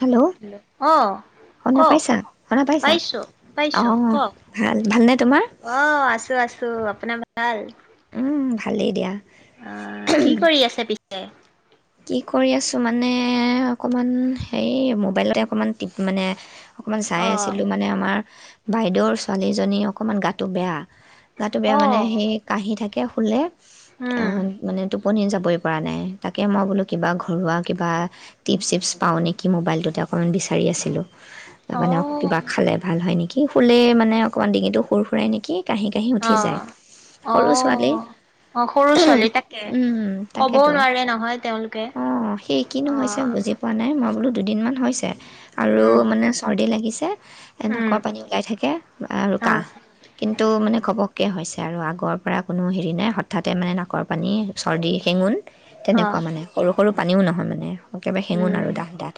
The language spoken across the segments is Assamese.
হেল্ল' েল্ আহ শুনা কওক পাইছা শুনা পাইছা পাইছো পাইছো অঁ কওক ভাল ভালনে তোমাৰ অ আছো আছো আ ভাল ভালেই দিয়া অ কি কৰি আছে পি য় কি কৰি আছোঁ মানে অকণমান হেৰি মোবাইলতে অকণমান মানে অকণমান অ চাই আছিলোঁ মানে আমাৰ বাইদেউৰ ছোৱালীজনী অকণমান গাটো বেয়া গাতটো বেয়া অ মানে সেই কহি থাকে ফুলে উম আহ মানে ত পোনহীন যাবই পৰা নাই তাক তাকে মই বোলো কিবা ঘৰুৱা কিবা টিপছ চিপছ পাওঁ নেকি মোবাইলটোতে অকণমান বিচাৰি আছিলোঁ তাৰ অ মানে কিবা খালে ভাল হয় নেকি কি খুলে মানে অকণমান ডিঙিটো সুৰ সুৰাই নেকি কাহি কাহি অ উঠি যায় অ সৰু ছোৱালী অ সৰু ছোৱালী তাকে উম কবও তাকেতো নোৱাৰে নহয় তেওঁলোকে অ সেই কিনো অ হৈছে বুজি পোৱা নাই মঁ বোলো দুদিনমান হৈছে আৰু উম মানে চৰ্দি লাগিছে উম নাকৰ পানী ওলাই থাকে অ ৰুকা কিন্তু মানে ক'ব ক হৈছে আৰু আগৰ পৰা কোনো হেৰি নাই হঠাতে মানে নাকৰ পানী চৰ্দি শেঙুণ অ তেনেকা মানে সৰু সৰু পানীও নহয় মানে একেবাৰে শেঙোন আৰু উম দাঠ দাঠ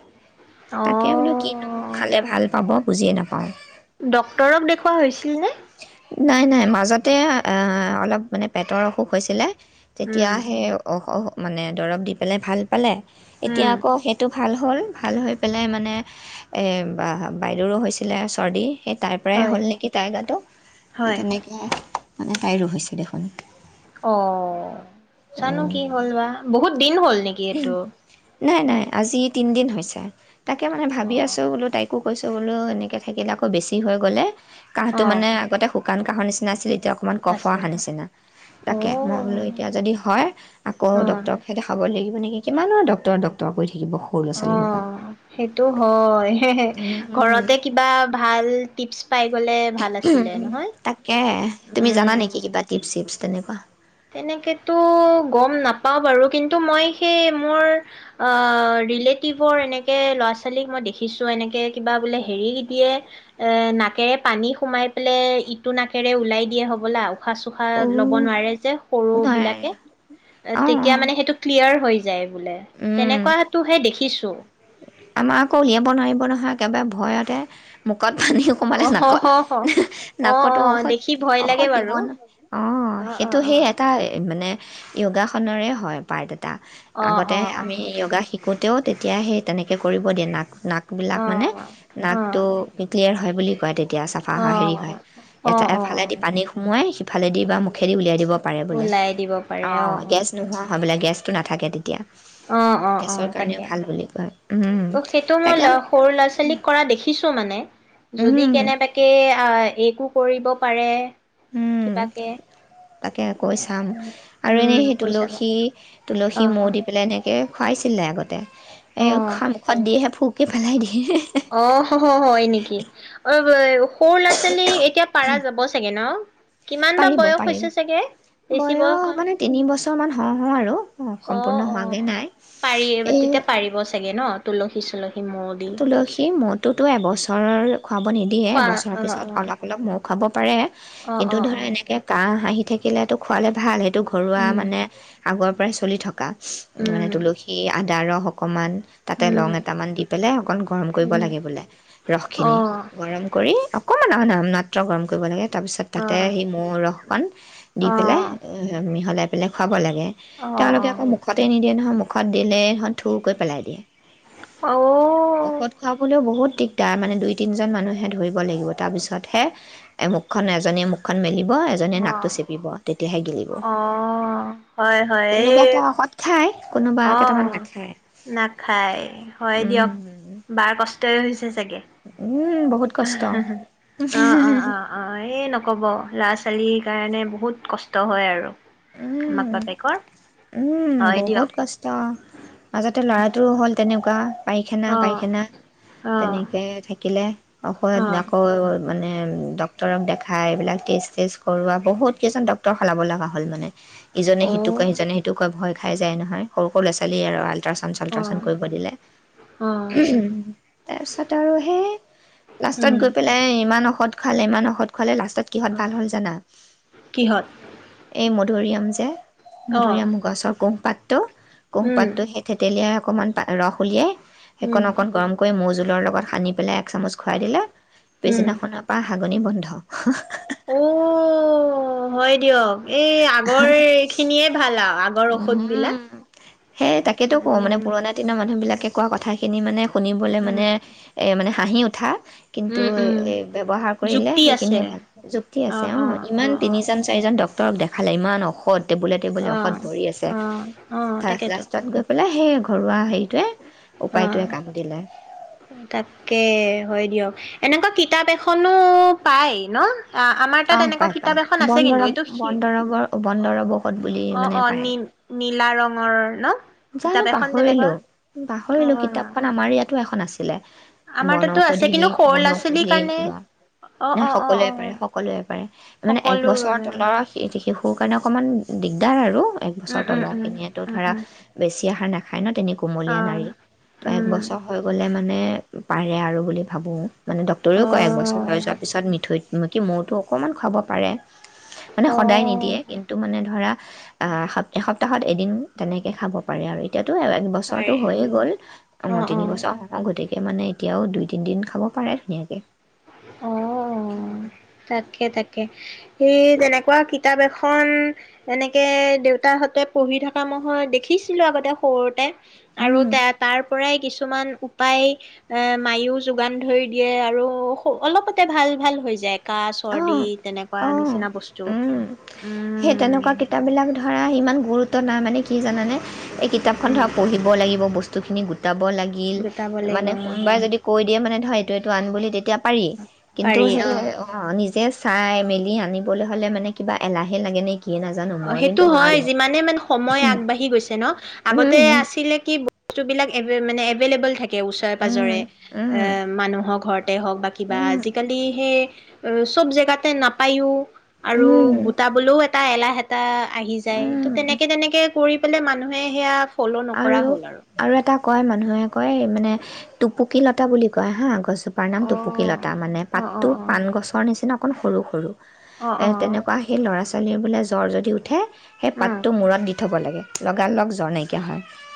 অ তাকে বোলো কিনো খালে ভাল পাব বুজিয়ে নাপাওঁ ডক্তৰক দেখুওৱা হৈছিল নে নাই নাই মাজতে অলপ মানে পেটৰ অসুখ হৈছিলে উম তেতিয়া সেই মানে দৰৱ দি পেলাই ভাল পালে এতিয়া উম আকৌ সেইটো ভাল হ'ল ভাল হৈ পেলাই মানে বাইদেউৰো হৈছিলে চৰ্দি সেই তাইৰ পৰাই হয় হ'ল নেকি তাইগাটো হয় সেইটেনেকে মানে তাইৰো হৈছে দেখোন অ চানো উম, কি হ'ল বা বহুত দিন হ'ল নেকি এইটো নাই নাই আজি তিনিদিন হৈছে তাকে মানে অ ভাবি আছো বোল তাইকো কৈছো বোলেও এনেকৈ থাকিলে আকৌ বেছি হৈ গ'লে কাহটো মানে আগতে শুকান ক নিচিনাছিলে এতিয়া অকণমান আছিল কফোৱা নিচিনা অ তাকে মই বোলো এতিয়া যদি হয় আকৌ অ ডক্টৰকহে দেখাব লাগিব এনেকে কিমান নো ডক্তৰ ডক্তৰ কৰি থাকিম? অ সেইটো হয় হে হে উম ঘৰতে কিবা ভাল টিপছ পাই গ'লে ভাল আছিলে নহয় তাকে তুমি জানা উম নেকি কিবা টিপছ চিপছ? তেনেকুৱা তেনেকেতো গম নাপাও বাৰু কিন্তু মই সেই মোৰ আ ৰিলেটিভৰ এনেকে ল'ৰা ছোৱালীক মই দেখিছো মই এনেকে কিবা বোলে হেৰি দিয়ে এ নাকেৰে পানী সোমাই পেলাই ইটো নাকেৰে ওলাই দিয়ে হ'বলা। উশাহ চুশাহ ল'ব অ' নোৱাৰে সৰু নাই বিলাকে অ' তেতিয়া অ' মানে সেইটো ক্লিয়াৰ তাৰ হৈ যায়। বোলে। উম তেনেকুৱাটোহে দেখিছোঁ আমাৰ আকো সিয়ে বনাই দিব নহয় একেবাৰে। ভয়তে মোক কথা দিয়ো সোমালে অ হ নাকত হ হ অ অ নাকতো ঔষধ দেখি ভয় লাগে ঔষধ দিব বাৰু অঁ অ অ সেইটো অ সেই এটা মানে যোগাখনৰে হয় পাৰ্ট এটা অ তে আমি যোগা শিকোঁ থাকোঁতেও তেতিয়া সেই তেনেকৈ কৰিব দে নাক অ নাকবিলাক অ মানে অ অ নাকটো ক্লিয়াৰ হয় বুলি [unintelligible] এতিয়া চাফা হয় হেৰি হয় অ এটা অ অ এফালেদি পানী সোমোৱাই ইফালে দিবা মোক মুখেৰি উলিয়াই দিব পাৰে বোলে ওলাই দিব অ পাৰে গেছ নোহোৱা হয় বোলে গেছ টো নাথাকে তেতিয়া। অ অ অ গেছৰ কাৰণেও তাকে ভাল বুলি কয় উম, তো সেইটো মই তাকে সৰু ল'ৰা ছোৱালীক কৰা দেখিছো মানে যদি উম কেনেবাকে আহ একো কৰিব পাৰে উম কিবাকে তাকে কৈ চাম আৰু এনেই উম সেই কৈ চাবা তুলসী তুলসী মৌ অ দি পেলাই এনেকে খুৱাইছিলে আগতে। এ অ এইখন মুখত দিহে ফু সি পালেই দি ই ই অ হ হ হয় নেকি সৰু ল'ৰা ছোৱালী এতিয়া পাৰা যাব চাগে ন কিমান বা পাৰিব বয়স পাৰিব হৈছে চাগে বেছি বয়স হোৱা ছমান হওঁ হওঁ আৰু অ সম্পূৰ্ণ অ হোৱাগৈ নাই পাৰি এই তেতিয়া পাৰিব চাগে ন তুলসী চলৈ তুলসী মতোতো এবছৰ কাৰ খুৱাব নিদিয়ে খোৱা বছৰৰ অ পিছত অলপ অলপ মোক খুৱাব পাৰে অ অ কিন্তু অ অ ধৰা এনেকে কাঁহ আহি থাকে সিলাটো খোৱালে ভাল হে টো ঘৰুৱা উম মানে আগৰ পৰাই চলি থকা উ মানে উম তুলসী আ দাৰস অকণমান তাতে লং উম এটামান দি এ অকন গৰম কৰিব উম লাগে বোলে অ ৰসখিনি গৰম কৰি অকণমান আ নাম মাত্ৰ গৰম কৰিব লাগে তাৰপিছত অ তাতে সেই মৌ ৰসকণ দি অ অ পেলাই মিহলাই পিনে খাব লাগে অ তেওঁলোকে আকৌ মুখতে নিদিয়ে নহয় মুখ মুখত দিলেই হ'ল থুৰকৈ পেলাই দিয়ে অ ঔষধ খুৱাবলৈও বহুত দিগদাৰ মানে দুই তিনজন মানুহে ধৰিব লাগিব তাৰ পিছতহে এমুখখন এজনী এমুখখন মেলি এজনে অ নাকটো চেপিব তেতিয়াহে গিলিব অ হয় হয় কোনোবা এই এটা সৎ খাই অ নাখায় হয় দিয়ক উম বাৰ কষ্ট তাৰ হৈছে যে উম, বহুত কষ্ট অ অ অ অ এই নকব ল'ৰা ছোৱালী সেইকাৰণে বহুত কষ্ট হয় আৰু মাক উম বাপেকৰ হয় দিয়ক তেও মাজতে ল'ৰাটোৰ হ'ল তেনেকোৱা পায়খানা অ পায়খানা অ অ তেনেক থাকিলে ঔষধ আকৌ মানে ডক্তৰক দেখাই এইবিলাক টেষ্ট টেষ্ট কৰোৱা বহুত কেইজন ডক্তৰক সলাব লগা হয় হল মানে ইজনে অ সিটো কয় ইিজনে সিটো কয় ভয় উঠাই যায় নহয় সৰু সৰু ল'ৰা ছোৱালীয় আৰু আল আলট্ৰাচন অ চালট্ৰাচন কৰিব দিলে অ উহুম তাৰপিছত আৰু সেইয়ে লাষ্টত উম গৈ পেলাই ইমান ঔষধ খালে ইমান ঔষধ খালে লাষ্ট তাত কিহত অ ভাল হ'ল জানা কিহত এই মধুৰীআম যে অ মধুৰিআম গছৰ কোহ পাত উম, কোহপাতো, সেই থেতেলীয়া অকণমান, ৰস উলিয়াই। উম, সেইকণ অকণ গৰম কৰি মৌজোল লৰ লগত সানি পেলাই, এক চামুচ খুৱাই দিলে পেছিনাখনৰ পৰা হাত [unintelligible] বন্ধ। উম হয় দিয়ক এই আগৰ এই খিনিয়ে ভাল আৰু, আগৰ ঔষধ বিলাক উম সেই তাকেতো কওঁ মানে পুৰণা দিনৰ মানুহবিলাকে কোৱা কথাখিনি মানে শুনিবলৈ উম, মানে, এই মানে হাঁহি উঠা। কিন্তু উম, উম, এই ব্যৱহাৰ কৰিলে যুক্তি আছে। সেইখিনিয়ে ভাল, যুক্তি আছে অ', অঁ‌। অ', ‌ ইমান অ', অ', তিনিজন চাৰিজন ডাক্তৰ ডাক্তৰক দেখালে, ইমান ঔষধ টেবুলে টেবুলে ঔষধ অ', ভৰি আছে, অ', অ', ফাৰ্ষ্ট তাকেতো। লাষ্টত গৈ পেলাই সেই আকৌ ঘৰুৱা হেৰি অ তাকে, হয় দিয়ক। এনেকুৱা কিতাপ এখনো পায় ন? অ আমাৰ অ তাত এনেকুৱা পাই কিতাপ পাই এখন আছে বন কিন্তু, দৰৱ ‌ এইটো বন দৰৱৰ অ বন দৰৱ ঔষধ বুলি অ মানে অ পায় নীম‌‌ নীলা ৰঙৰ ডাঙৰ ন জানো কিতাপ এখন তেনেকুৱা পাহৰিলোঁ। পাহৰিলোঁ অ'। কিতাপখন আমাৰ ইয়াতো এখন আছে। আমাৰ তাতো আছে বনৌষধি কিন্তু সৰু ল'ৰা ছোৱালীৰ বনৌষধি কাৰণে কিবা, অ ন? অ অ সকলোৱে পাৰে, অ সকলোৱে মানে এক সকলোৰ বছৰ বাবে অ তলৰ শিশু সোৰ কাৰণে অকণমান দিগদাৰ আৰু এক বছৰ উম তলত উম খিনিয়েতো উম উম ধৰা উম বেছি আহ নাখায় ন, তেনেকে অ কুমলীয়া নাৰী তো, এক উম বছৰ হৈ গ'লে মানে পাৰে আৰু বুলি ভাবোঁ। মানে ডক্তৰেও অ কয় একবছৰ আৰু যোৱাৰ পিছত মিঠৈ দিব কি মৌটো অকণমান খাব পাৰে। মানে অ সদায় নিদিয়ে কিন্তু, মানে ধৰা আহ এসপ্তাহত এদিন তেনেকে খাব পাৰে আৰু এতিয়া এক পাৰে বছৰটো হৈয়ে গ'ল অ তিনি বছৰ গোটেই মানে এতিয়াও দুই তিন দিন খাব পাৰে ধুনীয়াকে অ তাকে তাক কে এ যেনেকুৱা কিতাপ এখন খ এনেকৈ দেউতাহঁতে পঢ়ি থকা ময় দেখিছিলোঁ আগতে সৰুতে আৰু তা তাৰ পৰাই কিছুমান পাই এ মাইয়ো যোগান ধৰি দিয়ে আৰু অলপতে ভাল ভাল হৈ যায় অঁ কাহ-চৰ্দি তেনেকুৱা অ', নিচিনা বস্তু উম, সেই উম তেনেকুৱা কিতাপ বিলাক ধৰা ইমান গুৰুত্ব তংব নাই মানে কি জানানে এই কিতাপখন উম ধৰক পঢ়িব লাগিব বস্তু খিনিবুট যাব লাগিল গোটাব লাগিব মানে উম কোনোবাই যদি কৈ দিয়ে মানে ধৰা এইটো আন বুলি তেতিয়া পাৰি কিন্তু সেইয়া অ যে চাই মেলি আনিবলৈ হ'লে মানে কিবা এলাহ সে লাগে অ সেইটো হয় যিমানে মান সময় আগবাঢ়ি গৈছে ন আগতে উম, আছিলে কি বস্তুবিলাক মানে এভেইলেবল থাকে ওচৰে উম, পাজৰে এ উম, মানুহৰ ঘৰতে হওক বা কিবা উম, আজিকালি সেই চব জেগাতে নাপাইয়ো উম, আৰু উম, গোটা বোলেও এটা এলাহে তা আহি যায় তো উম। তেনেকে তেনেকে কৰি পেলাই মানুহে সেয়া ফ'ল' নকৰা আৰু হ'ল আৰু এটা কয় মানুহে কয় মানে টোপুকী লতা বুলি কয় হা গছ জোপাৰ নাম অ টোপুকী লতা মানে অ অ পাতটো পাণ অ গছৰ নিচিনা অকণ সৰু সৰু অ অ তেনেকুৱা সেই ল'ৰা পাচলি বোলে জ্বৰ যদি উঠে সেই উম পাতটো মূৰত দি থ'ব লাগে লগা লগ জ্ব নাই [unintelligible]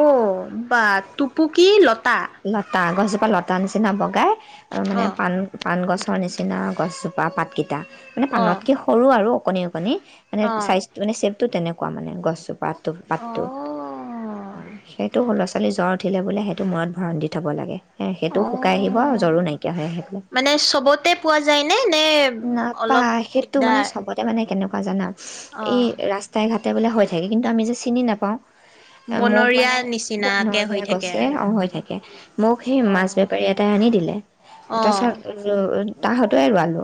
অ', বা টোপু কি লত লটা গছ আ‌ লতা নিচিনা বগাই। আৰু মানে অ পান পণ গছ গছৰ নিচিনা গছজোপা পাতকেইটা মানে অ পাণত কি সৰু আৰু। কনে [unintelligible] অ কোৱা মানে গছ পাতটো অ' সেইটো স' ল'ৰা ছোৱালী জ্বৰ উঠিলে বোলে সেইটো মৰতত ঘৰ দি থ'ব লাগে। সেইটো শুকাই আহিব অ', জ্বৰো নাইকিয়া হৈ আহ পাই মানে চবতে পোৱা যায় নে, নে অলপ নাপায় সেইটো মানে দিগদাৰ? চবতে মানে কেনেকা খোৱাজানাত এই অ', ৰাস্তাই ঘাট তেতিয়া বোলে হৈ থাকে কিন্তু আমি যে চিনি নাপাওঁ মোক মানে বনৰীয়া বহুত নিচিনাকে নৰগীয়া হৈ থাকে গছে আৰু অঁ হৈ থাকে মোক সেই মাছ অ'। বেপাৰী এটাই আনি দিলে তাৰছত অ', তাহতোৱাই ৰুৱালো।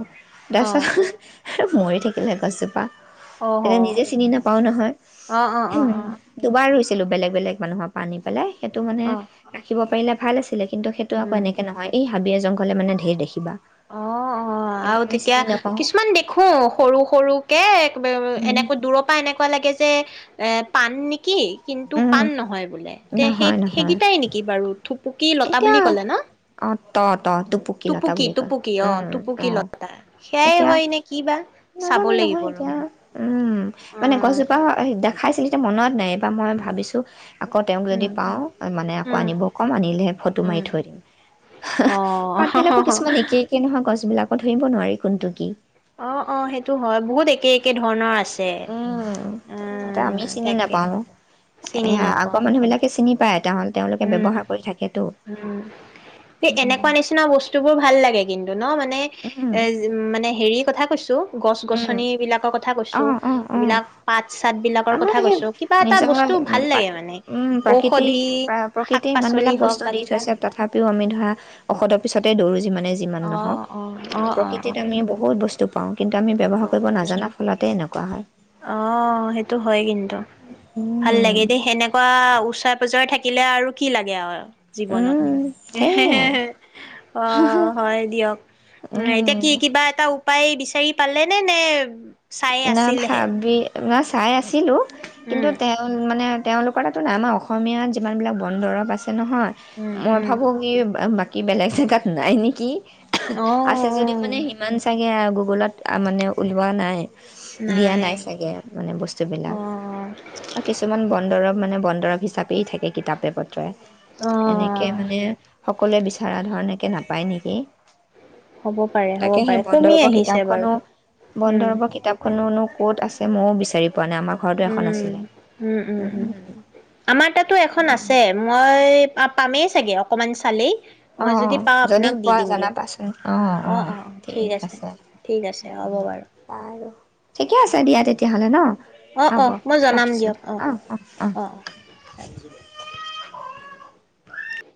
অ', [unintelligible] [unintelligible] অহ, এনে নিজে চিনি নাপাও নহয়, অ', অ', অ', দুবাৰ ৰুইছ [unintelligible] বেলেগ বেলেগ মানুহৰ পৰা আনি পেলাই। সেইটো মানে অ', শিকিব পাৰিলে ভাল আছিলে। কিন্তু সেইটো আকৌ উম। এনেকে নহয়, এই হাবিয়ে জং হলে মানে ধেৰ দেখিবা। অ', অ', কিন্তু আৰু আমি তেতিয়া চিনি নাপাওঁ কিছুমান দেখো সৰু সৰুকে [unintelligible] উম এনেকৈ দূৰৰ পৰা এনেক এনেকুৱা লাগে যে, পাণ নিকি কিন্তু পাণ উম নহয় বোলে, তে নহয় নহয় সেই-সেইকেইটাই নেকি বাৰু থুপু এতিয়া অ', ত-তহ টোপকী লতা টুপুকি, বুলি কয় টুপুকি অ', উম টোপুকী লতা, সেয়াই এতিয়া হয় নে কি বা চাব নাজানো লাগিব নহয় ৰব এতিয়া উম, মানে উম, গছজোপা খাইছিলো তেতিয়া মনত নাই বা মই ভাবিছোঁ আকৌ তেওঁক যদি উম, পাওঁ মানে আকৌ উম, আনিব ক'ম আনিলে ফটো মাৰি উম, থৈ দিম অ', পাত বিলাকো কিছুমান একে একে নহয় গছবিলাকত ধৰিব নোৱাৰি কোনটো কি। অ', অ', সেইটো হয় বহুত একে একে ধৰণৰ আছে। উম, তাতে উম, আমি চিনি তাকে নাপাও এ চিনি নাপাওঁ। আগৰ মানুহ বিলাকে চিনি পায় তেওঁ তেওঁলোকে উম, ব্যৱহাৰ কৰি থাকেতো। উম, সে উম, এনেকুৱা নিচিনা বস্তু বোৰ ভাল লাগে। কিন্তু ন' মানে উম, এ উ মানে হেৰি কথা কৈছো। গছ-গছনিবিলাকৰ কথা কৈছো অ', অ', অ', এইবিলাক পাত চাত বিলাকৰ আমাৰ কথা সেই কৈছো কিবা এটা নিজৰ বস্তু ভাল লাগে মানে ঔষধি শাক প্ৰকৃতিয় পাচলি ইমানবিলাক হওক বস্তু বা দি কিবা। থৈছে তথাপিও আমি ধৰা ঔষধ পিছতে দৌৰি মানে যিমানেই যিমান নহওঁক, অ', অ', অ', অ', অ', প্ৰকৃতিত আমি বহুত বস্তু পাওঁ। কিন্তু আমি ব্যৱহাৰ কৰিব বহুত বস্তু নাজানা ফলতেই এনেকুৱা কোৱা হয়। অ' সেইটো হয় কিন্তু। ভাল উম, লাগে দেই সেনেকুৱা। ওচৰে পজৰে থাকিলে আৰু কি লাগে আৰু। জীৱনত উম, সেইয়াই অ' হয় দিয়ক উ এতিয়া উম। কি কিবা এটা পাই বিচাৰি পালে নে নে? চাই ন আছিলহে ভাবি আপাৰ চাই আছিলোঁ। উম, কিন্তু তেওঁ মানে তেওঁলোকৰ তাতো নাই আমাৰ অসমীয়াত যিমানবিলাক বন দৰৱ আছে নহয় উম, মই উম, ভাবোঁ কি বা কি বেলেগ জেগাত নাই নেকি। অ', আছে যদি মানে অ', সিমান চাগে [unintelligible] মানে উলোৱা নাই দিয়া নাই চাগে মানে বস্তু বিলাক অ', আৰু কিছুমান বন দৰৱ মানে বন দৰৱ হিচাপে এই থাকে কিতাপে পত্ৰই এনেকে অ', মানে সকলোৱে বিচৰা ধৰণে কে নাপায় নেকি হ'ব পাৰে হ'ব তাকে সেই পাৰে বন কমি দৰৱৰ আহিছে বাৰু, উম কোনোনো ক'ত আছে মও বিচাৰিম উম উম উম উম আমাৰ তাতো এখন আছে মই অ পামেই চাগে অকমান চালেই অ মই যদি পাওঁ যদি আপোনাক দি পোৱা দিম দিয়ক জনাবাচোন, অ অ ঠিক আছে ঠিক আছে হ'ব বাৰু বাৰু ঠিকে আছে দিয়া তেতিয়া তেতিয়াহ'লে ন অ অ মই জনাম দিয়ক অ অ অ ৰাখিছোঁ